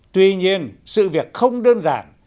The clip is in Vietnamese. tuy nhiên sự việc không đơn giản